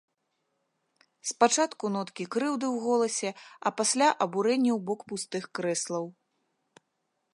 Спачатку ноткі крыўды ў голасе, а пасля абурэнне ў бок пустых крэслаў.